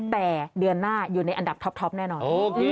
แต่เดือนหน้าอยู่ในอันดับท็อปแน่นอน